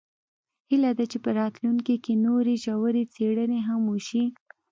هیله ده چې په راتلونکي کې نورې ژورې څیړنې هم وشي